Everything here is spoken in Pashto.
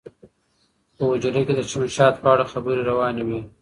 په حجره کې د شمشاد په اړه خبرې روانې وې.